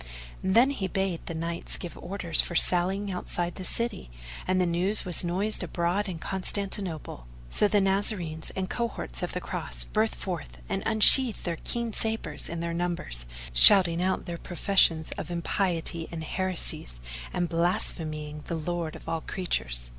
Then he bade the Knights give orders for sallying outside the city, and the news was noised abroad in Constantinople. So the Nazarenes and the cohorts of the Cross burst forth and unsheathed their keen sabres in their numbers, shouting out their professions of impiety and heresies, and blaspheming the Lord of all Creatures.